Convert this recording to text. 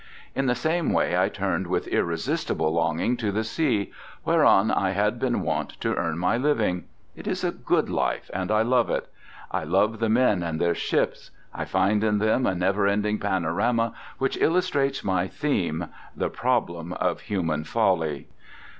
In the same way I turned with irresistible longing to the sea, whereon I had been wont to earn my living. It is a good life and I love it. I love the men and their ships. I find in them a never ending panorama which illustrates my theme, the problem of human folly.